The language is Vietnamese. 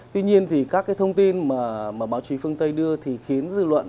tuy nhiên thì các cái thông tin mà báo chí phương tây đưa thì khiến dư luận